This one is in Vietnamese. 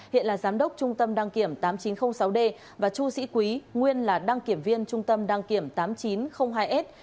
hiện là giám đốc trung tâm đăng kiểm tám nghìn chín trăm linh sáu d và chu sĩ quý nguyên là đăng kiểm viên trung tâm đăng kiểm tám nghìn chín trăm linh hai s